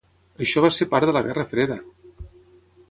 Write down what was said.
Això va ser part de la guerra freda!